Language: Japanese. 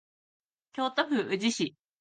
京都府宇治市